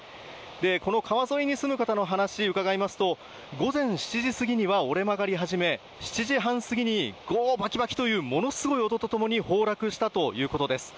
この川沿いに住む方の話を伺いますと午前７時過ぎには折れ曲がり始め７時半過ぎにバキバキというものすごい音と共に崩落したということです。